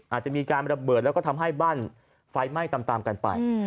อาจจะมีการระเบิดแล้วก็ทำให้บ้านไฟไหม้ตามกันไป